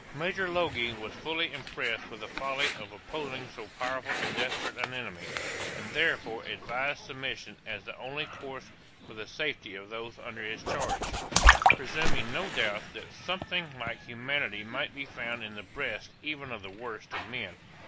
Major Logie was fully impressed with the folly of opposing so powerful and desperate an enemy, and therefore advised submission as the only course for the safety of those under his charge; presuming no doubt that something like humanity might be found in the breasts even of the worst of men.